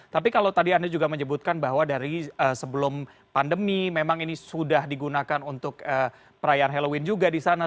tapi kalau tadi anda juga menyebutkan bahwa dari sebelum pandemi memang ini sudah digunakan untuk perayaan halloween juga di sana